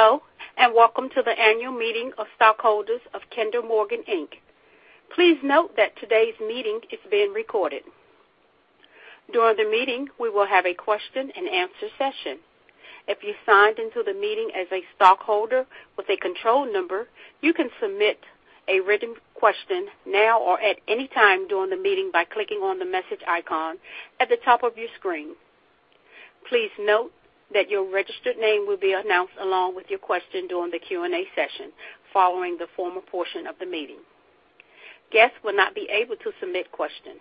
Hello, and welcome to the annual meeting of stockholders of Kinder Morgan, Inc. Please note that today's meeting is being recorded. During the meeting, we will have a question and answer session. If you signed into the meeting as a stockholder with a control number, you can submit a written question now or at any time during the meeting by clicking on the message icon at the top of your screen. Please note that your registered name will be announced along with your question during the Q&A session following the formal portion of the meeting. Guests will not be able to submit questions.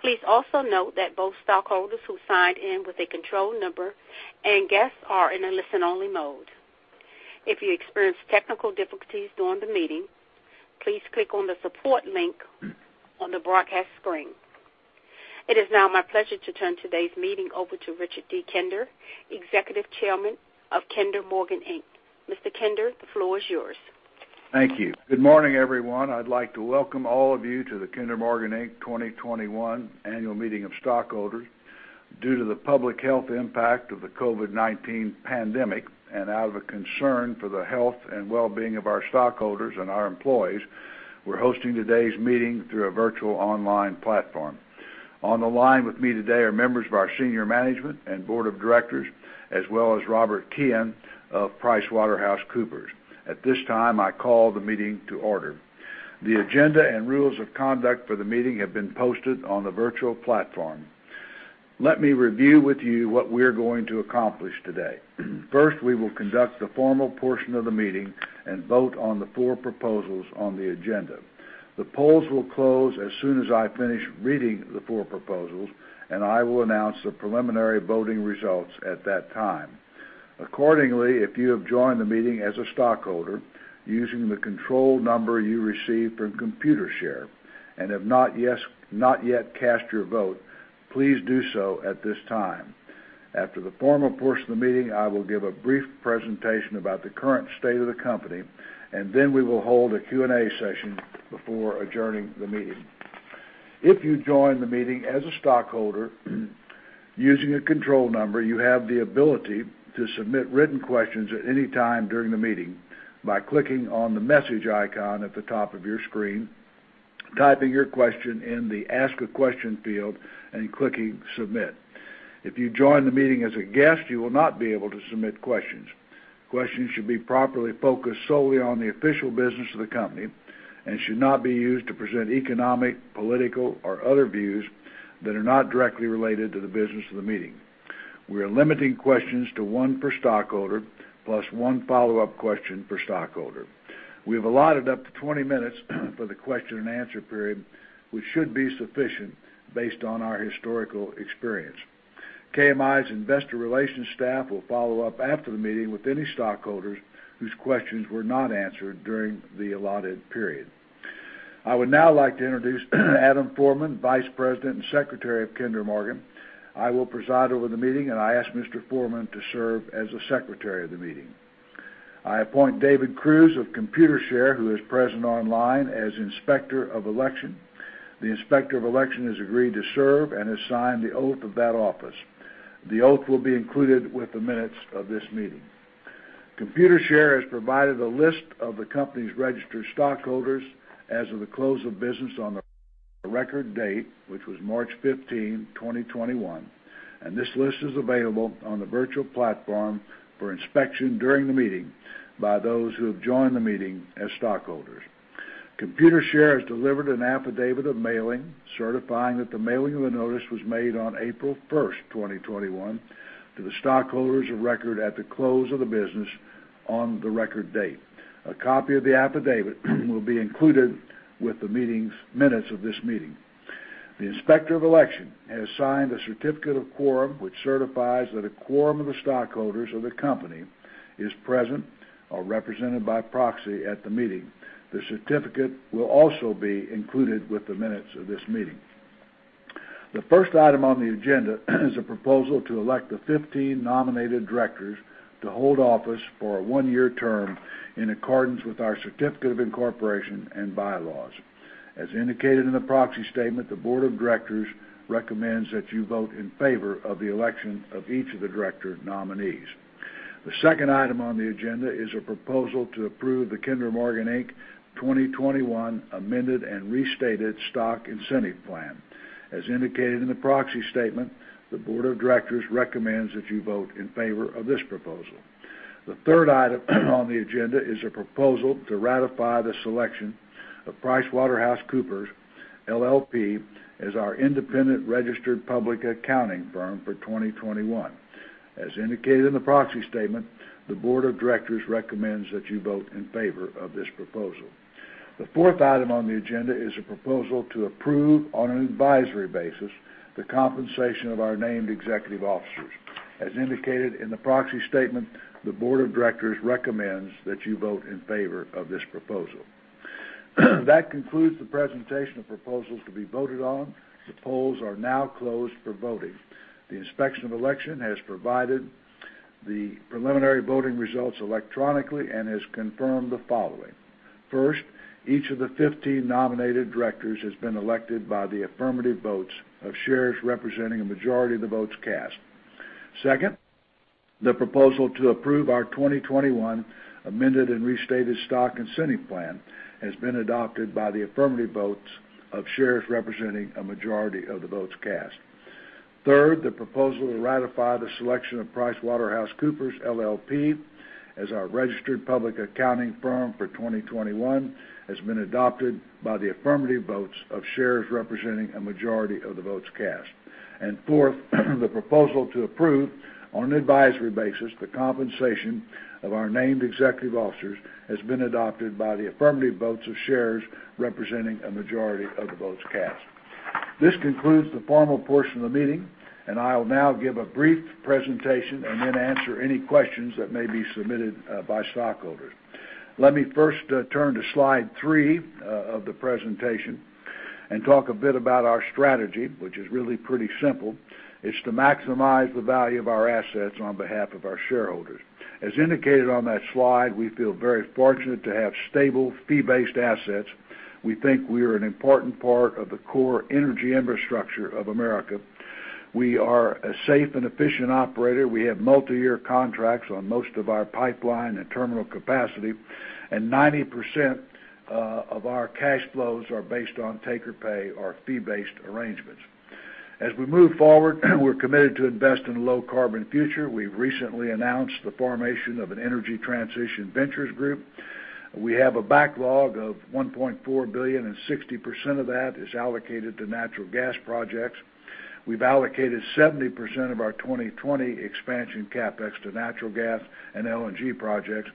Please also note that both stockholders who signed in with a control number and guests are in a listen-only mode. If you experience technical difficulties during the meeting, please click on the support link on the broadcast screen. It is now my pleasure to turn today's meeting over to Richard D. Kinder, Executive Chairman of Kinder Morgan, Inc. Mr. Kinder, the floor is yours. Thank you. Good morning, everyone. I'd like to welcome all of you to the Kinder Morgan, Inc. 2021 annual meeting of stockholders. Due to the public health impact of the COVID-19 pandemic, and out of a concern for the health and wellbeing of our stockholders and our employees, we're hosting today's meeting through a virtual online platform. On the line with me today are members of our senior management and board of directors, as well as Robert Keehan of PricewaterhouseCoopers. At this time, I call the meeting to order. The agenda and rules of conduct for the meeting have been posted on the virtual platform. Let me review with you what we're going to accomplish today. First, we will conduct the formal portion of the meeting and vote on the four proposals on the agenda. The polls will close as soon as I finish reading the four proposals, and I will announce the preliminary voting results at that time. Accordingly, if you have joined the meeting as a stockholder using the control number you received from Computershare, and have not yet cast your vote, please do so at this time. After the formal portion of the meeting, I will give a brief presentation about the current state of the company, and then we will hold a Q&A session before adjourning the meeting. If you joined the meeting as a stockholder using a control number, you have the ability to submit written questions at any time during the meeting by clicking on the message icon at the top of your screen, typing your question in the Ask a Question field, and clicking Submit. If you joined the meeting as a guest, you will not be able to submit questions. Questions should be properly focused solely on the official business of the company and should not be used to present economic, political, or other views that are not directly related to the business of the meeting. We are limiting questions to one per stockholder, plus one follow-up question per stockholder. We have allotted up to 20 minutes for the question and answer period, which should be sufficient based on our historical experience. KMI's investor relations staff will follow up after the meeting with any stockholders whose questions were not answered during the allotted period. I would now like to introduce Adam Forman, Vice President and Secretary of Kinder Morgan. I will preside over the meeting, and I ask Mr. Forman to serve as the secretary of the meeting. I appoint David Cruz of Computershare, who is present online, as Inspector of Election. The Inspector of Election has agreed to serve and has signed the oath of that office. The oath will be included with the minutes of this meeting. Computershare has provided a list of the company's registered stockholders as of the close of business on the record date, which was March 15, 2021, and this list is available on the virtual platform for inspection during the meeting by those who have joined the meeting as stockholders. Computershare has delivered an affidavit of mailing, certifying that the mailing of the notice was made on April 1st, 2021, to the stockholders of record at the close of the business on the record date. A copy of the affidavit will be included with the minutes of this meeting. The Inspector of Election has signed a certificate of quorum, which certifies that a quorum of the stockholders of the company is present or represented by proxy at the meeting. The certificate will also be included with the minutes of this meeting. The first item on the agenda is a proposal to elect the 15 nominated directors to hold office for a one-year term in accordance with our certificate of incorporation and bylaws. As indicated in the proxy statement, the board of directors recommends that you vote in favor of the election of each of the director nominees. The second item on the agenda is a proposal to approve the Kinder Morgan, Inc. 2021 Amended and Restated Stock Incentive Plan. As indicated in the proxy statement, the board of directors recommends that you vote in favor of this proposal. The third item on the agenda is a proposal to ratify the selection of PricewaterhouseCoopers LLP as our independent registered public accounting firm for 2021. As indicated in the proxy statement, the board of directors recommends that you vote in favor of this proposal. The fourth item on the agenda is a proposal to approve, on an advisory basis, the compensation of our named executive officers. As indicated in the proxy statement, the board of directors recommends that you vote in favor of this proposal. That concludes the presentation of proposals to be voted on. The polls are now closed for voting. The Inspection of Election has provided the preliminary voting results electronically and has confirmed the following. First, each of the 15 nominated directors has been elected by the affirmative votes of shares representing a majority of the votes cast. Second, the proposal to approve our 2021 Amended and Restated Stock Incentive Plan has been adopted by the affirmative votes of shares representing a majority of the votes cast. Third, the proposal to ratify the selection of PricewaterhouseCoopers LLP as our registered public accounting firm for 2021 has been adopted by the affirmative votes of shares representing a majority of the votes cast. Fourth, the proposal to approve, on an advisory basis, the compensation of our named executive officers has been adopted by the affirmative votes of shares representing a majority of the votes cast. This concludes the formal portion of the meeting, and I will now give a brief presentation and then answer any questions that may be submitted by stockholders. Let me first turn to slide three of the presentation and talk a bit about our strategy, which is really pretty simple. It's to maximize the value of our assets on behalf of our shareholders. As indicated on that slide, we feel very fortunate to have stable, fee-based assets. We think we are an important part of the core energy infrastructure of America. We are a safe and efficient operator. We have multi-year contracts on most of our pipeline and terminal capacity, and 90% of our cash flows are based on take-or-pay or fee-based arrangements. As we move forward, we're committed to investing in a low-carbon future. We've recently announced the formation of an Energy Transition Ventures group. We have a backlog of $1.4 billion, and 60% of that is allocated to natural gas projects. We've allocated 70% of our 2020 expansion CapEx to natural gas and LNG projects,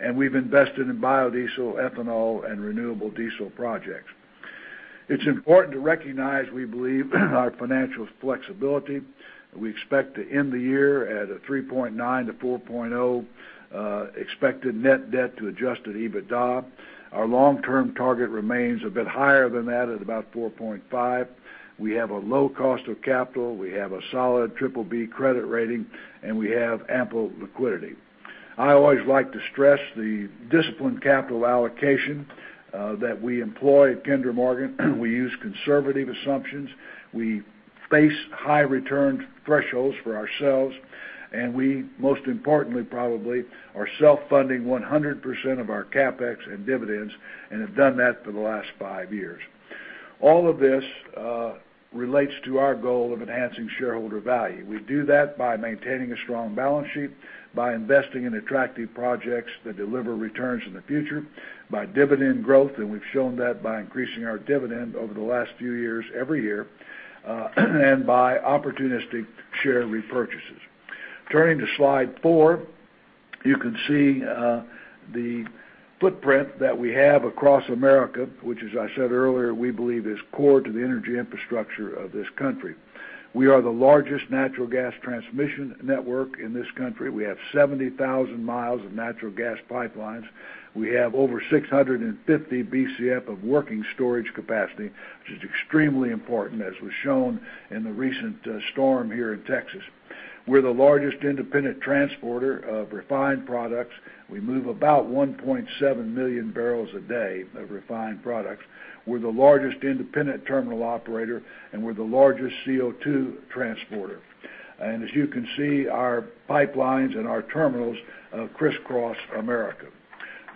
and we've invested in biodiesel, ethanol, and renewable diesel projects. It's important to recognize, we believe, our financial flexibility. We expect to end the year at a 3.9-4.0 expected net debt to adjusted EBITDA. Our long-term target remains a bit higher than that at about 4.5. We have a low cost of capital, we have a solid BBB credit rating, and we have ample liquidity. I always like to stress the disciplined capital allocation that we employ at Kinder Morgan. We use conservative assumptions. We face high return thresholds for ourselves, and we most importantly, probably, are self-funding 100% of our CapEx and dividends and have done that for the last five years. All of this relates to our goal of enhancing shareholder value. We do that by maintaining a strong balance sheet, by investing in attractive projects that deliver returns in the future, by dividend growth, and we've shown that by increasing our dividend over the last few years every year, and by opportunistic share repurchases. Turning to slide four, you can see the footprint that we have across America, which as I said earlier, we believe is core to the energy infrastructure of this country. We are the largest natural gas transmission network in this country. We have 70,000 miles of natural gas pipelines. We have over 650 Bcf of working storage capacity, which is extremely important, as was shown in the recent storm here in Texas. We're the largest independent transporter of refined products. We move about 1.7 million bbl a day of refined products. We're the largest independent terminal operator, and we're the largest CO2 transporter. As you can see, our pipelines and our terminals crisscross America.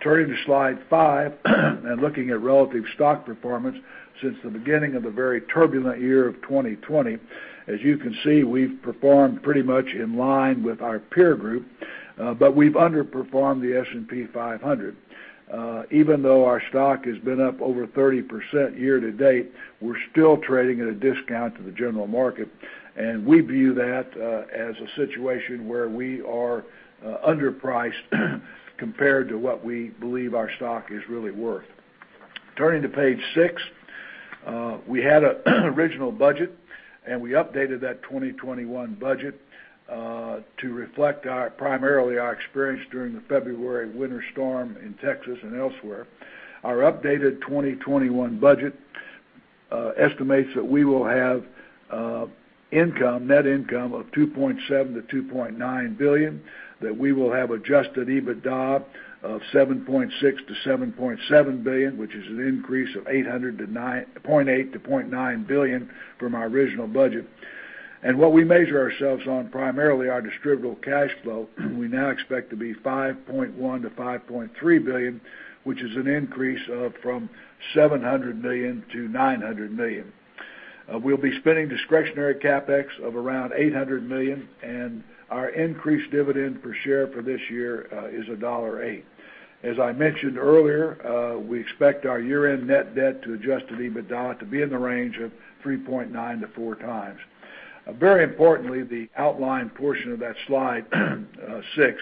Turning to slide five and looking at relative stock performance since the beginning of the very turbulent year of 2020, as you can see, we've performed pretty much in line with our peer group. We've underperformed the S&P 500. Even though our stock has been up over 30% year to date, we're still trading at a discount to the general market, and we view that as a situation where we are underpriced compared to what we believe our stock is really worth. Turning to page six. We had an original budget, and we updated that 2021 budget to reflect primarily our experience during the February winter storm in Texas and elsewhere. Our updated 2021 budget estimates that we will have net income of $2.7 billion-$2.9 billion, that we will have adjusted EBITDA of $7.6 billion-$7.7 billion, which is an increase of $0.8 billion-$0.9 billion from our original budget. What we measure ourselves on, primarily our distributable cash flow, we now expect to be $5.1 billion-$5.3 billion, which is an increase from $700 million-$900 million. We'll be spending discretionary CapEx of around $800 million, and our increased dividend per share for this year is $1.08. As I mentioned earlier, we expect our year-end net debt to adjusted EBITDA to be in the range of 3.9-4x. Very importantly, the outlined portion of that slide six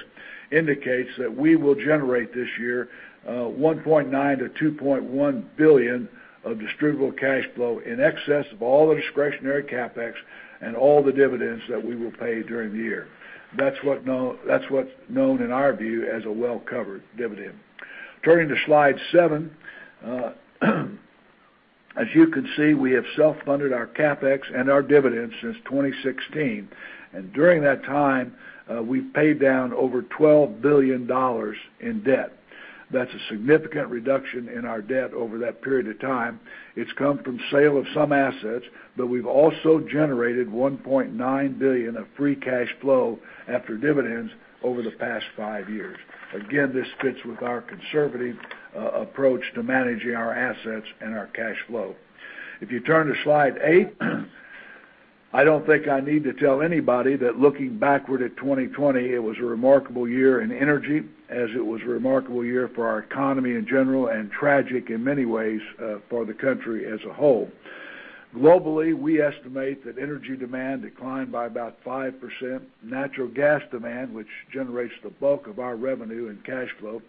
indicates that we will generate this year $1.9 billion-$2.1 billion of distributable cash flow in excess of all the discretionary CapEx and all the dividends that we will pay during the year. That's what's known in our view as a well-covered dividend. Turning to slide seven. As you can see, we have self-funded our CapEx and our dividends since 2016. During that time, we've paid down over $12 billion in debt. That's a significant reduction in our debt over that period of time. It's come from sale of some assets, we've also generated $1.9 billion of free cash flow after dividends over the past five years. Again, this fits with our conservative approach to managing our assets and our cash flow. If you turn to slide eight, I don't think I need to tell anybody that looking backward at 2020, it was a remarkable year in energy, as it was a remarkable year for our economy in general, and tragic in many ways for the country as a whole. Globally, we estimate that energy demand declined by about 5%. Natural gas demand, which generates the bulk of our revenue and cash flow,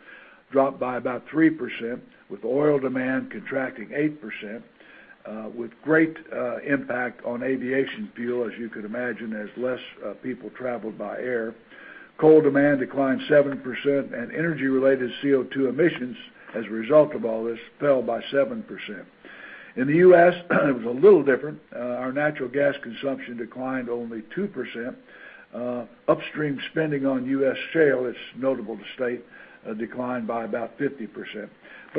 dropped by about 3%, with oil demand contracting 8%, with great impact on aviation fuel, as you could imagine, as less people traveled by air. Coal demand declined 7%, and energy-related CO2 emissions, as a result of all this, fell by 7%. In the U.S., it was a little different. Our natural gas consumption declined only 2%. Upstream spending on U.S. shale, it's notable to state, declined by about 50%.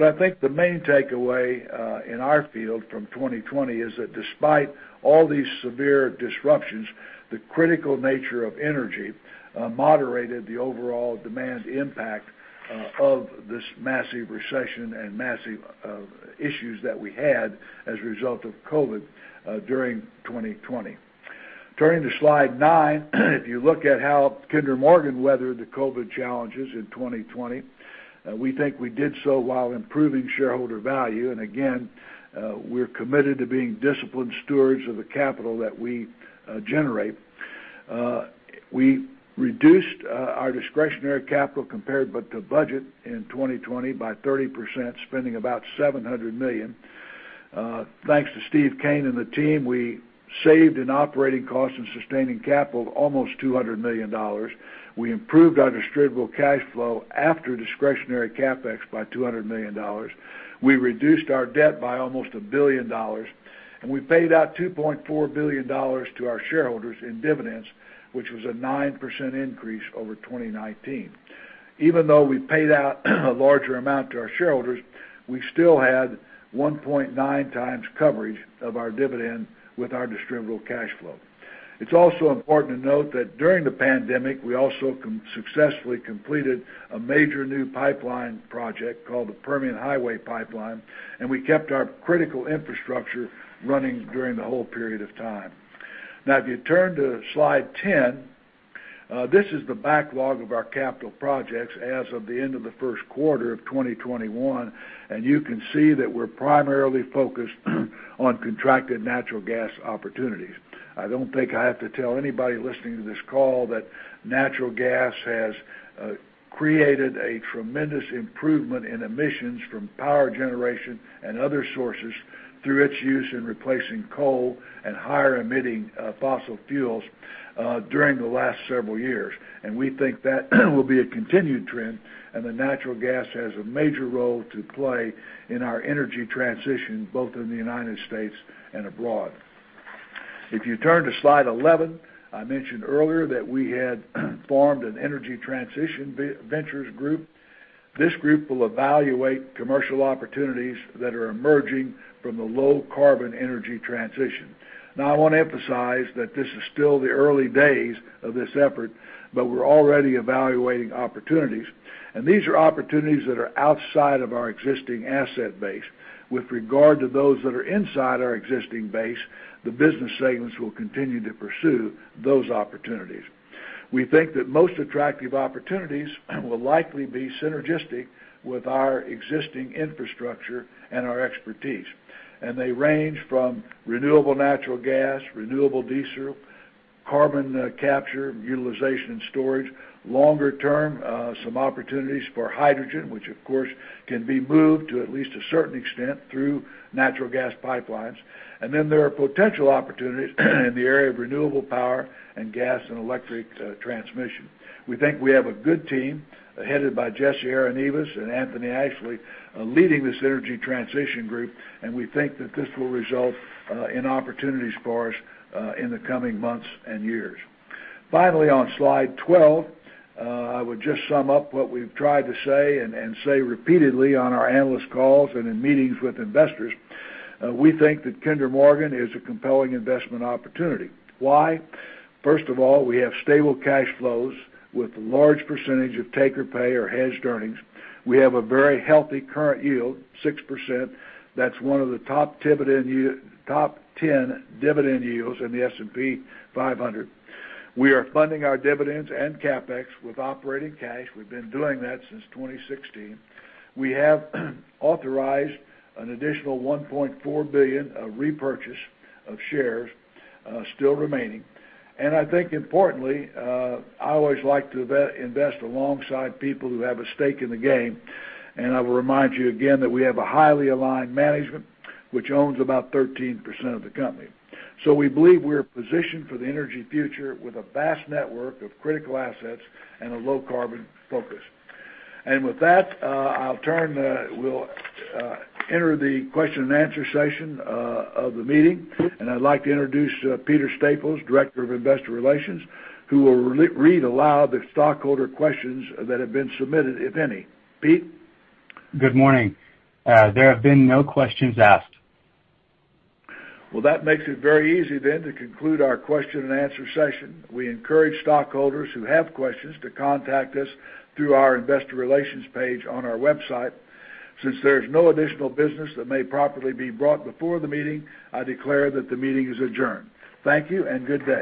I think the main takeaway in our field from 2020 is that despite all these severe disruptions, the critical nature of energy moderated the overall demand impact of this massive recession and massive issues that we had as a result of COVID during 2020. Turning to slide nine, if you look at how Kinder Morgan weathered the COVID-19 challenges in 2020, we think we did so while improving shareholder value. Again, we're committed to being disciplined stewards of the capital that we generate. We reduced our discretionary capital compared to budget in 2020 by 30%, spending about $700 million. Thanks to Steve Kean and the team, we saved in operating costs and sustaining capital almost $200 million. We improved our distributable cash flow after discretionary CapEx by $200 million. We reduced our debt by almost $1 billion, and we paid out $2.4 billion to our shareholders in dividends, which was a 9% increase over 2019. Even though we paid out a larger amount to our shareholders, we still had 1.9x coverage of our dividend with our distributable cash flow. It's also important to note that during the pandemic, we also successfully completed a major new pipeline project called the Permian Highway Pipeline, and we kept our critical infrastructure running during the whole period of time. Now, if you turn to slide 10, this is the backlog of our capital projects as of the end of the first quarter of 2021, and you can see that we're primarily focused on contracted natural gas opportunities. I don't think I have to tell anybody listening to this call that natural gas has created a tremendous improvement in emissions from power generation and other sources through its use in replacing coal and higher emitting fossil fuels during the last several years. We think that will be a continued trend, and that natural gas has a major role to play in our energy transition, both in the U.S. and abroad. If you turn to slide 11, I mentioned earlier that we had formed an Energy Transition Ventures group. This group will evaluate commercial opportunities that are emerging from the low-carbon energy transition. I want to emphasize that this is still the early days of this effort, but we're already evaluating opportunities. These are opportunities that are outside of our existing asset base. With regard to those that are inside our existing base, the business segments will continue to pursue those opportunities. We think that most attractive opportunities will likely be synergistic with our existing infrastructure and our expertise. They range from renewable natural gas, renewable diesel, carbon capture, utilization, and storage. Longer term, some opportunities for hydrogen, which of course can be moved to at least a certain extent through natural gas pipelines. There are potential opportunities in the area of renewable power and gas and electric transmission. We think we have a good team, headed by Jesse Arenivas and Anthony Ashley, leading this Energy Transition Ventures group, and we think that this will result in opportunities for us in the coming months and years. Finally, on slide 12, I would just sum up what we've tried to say and say repeatedly on our analyst calls and in meetings with investors. We think that Kinder Morgan is a compelling investment opportunity. Why? First of all, we have stable cash flows with a large percentage of take-or-pay or hedged earnings. We have a very healthy current yield, 6%. That's one of the top 10 dividend yields in the S&P 500. We are funding our dividends and CapEx with operating cash. We've been doing that since 2016. We have authorized an additional $1.4 billion of repurchase of shares still remaining. I think importantly, I always like to invest alongside people who have a stake in the game, and I will remind you again that we have a highly aligned management, which owns about 13% of the company. We believe we're positioned for the energy future with a vast network of critical assets and a low-carbon focus. With that, we'll enter the question and answer session of the meeting. I'd like to introduce Peter Staples, Director of Investor Relations, who will read aloud the stockholder questions that have been submitted, if any. Pete? Good morning. There have been no questions asked. That makes it very easy then to conclude our question and answer session. We encourage stockholders who have questions to contact us through our investor relations page on our website. Since there's no additional business that may properly be brought before the meeting, I declare that the meeting is adjourned. Thank you, and good day.